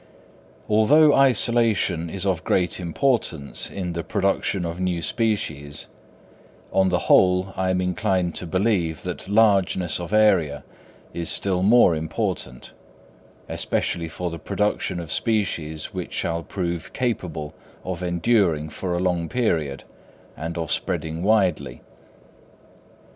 Although isolation is of great importance in the production of new species, on the whole I am inclined to believe that largeness of area is still more important, especially for the production of species which shall prove capable of enduring for a long period, and of spreading widely.